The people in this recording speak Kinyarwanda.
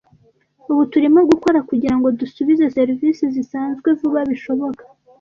Ubu turimo gukora kugirango dusubize serivisi zisanzwe vuba bishoboka.